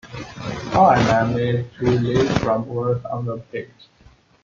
How am I made to live from words on a page?